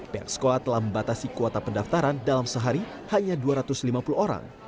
pihak sekolah telah membatasi kuota pendaftaran dalam sehari hanya dua ratus lima puluh orang